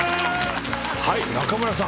中村さん